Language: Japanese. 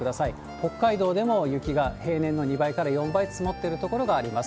北海道でも雪が平年の２倍から４倍積もってる所があります。